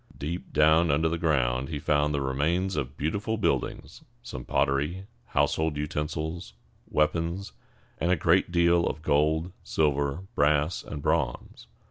Deep down under the ground he found the remains of beautiful buildings, some pottery, household utensils, weapons, and a great deal of gold, silver, brass, and bronze.